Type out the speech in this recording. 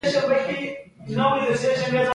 آیا رسنۍ له اعلاناتو پیسې ګټي؟